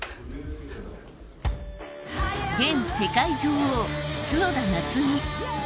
現世界女王、角田夏実。